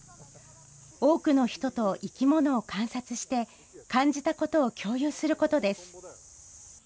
多くの人と生き物を観察して、感じたことを共有することです。